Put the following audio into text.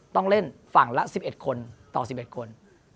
ต้องเล่นฝั่งละ๑๑คนต่อ๑๑คน